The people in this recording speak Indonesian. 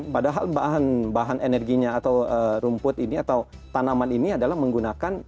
padahal bahan bahan energinya atau rumput ini atau tanaman ini adalah menggunakan